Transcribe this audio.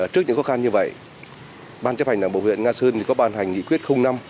trước những khó khăn như vậy ban chấp hành đảng bộ huyện nga sơn có ban hành nghị quyết năm